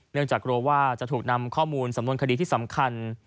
เนื่องจากโรว่าจะถูกนำข้อมูลสำนวนคดีที่สำคัญ